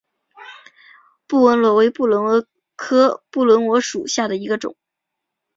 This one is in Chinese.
布纹螺为布纹螺科布纹螺属下的一个种。